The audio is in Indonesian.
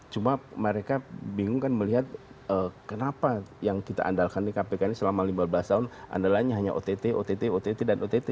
cuma mereka bingung kan melihat kenapa yang kita andalkan di kpk ini selama lima belas tahun andalannya hanya ott ott ott dan ott